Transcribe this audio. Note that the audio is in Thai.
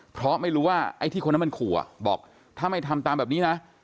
เพราะไม่รู้ว่าไอ้ที่คนนั้นมันขู่บอกถ้าไม่ทำตามแบบนี้นะ